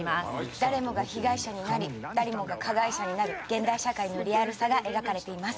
誰もが被害者になり誰もが加害者になる現代社会のリアルさが描かれています